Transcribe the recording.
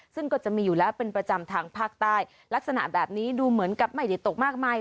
ซึ่งก็จะมีอยู่แล้วเป็นประจำทางภาคใต้ลักษณะแบบนี้ดูเหมือนกับไม่ได้ตกมากมาย